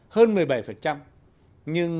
hơn một mươi bảy nhưng